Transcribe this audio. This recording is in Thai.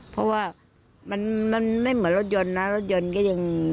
เพราะว่ามันไม่เหมือนรถยนต์นะรถยนต์ก็ยัง